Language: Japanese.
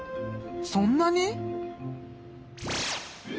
そんなに？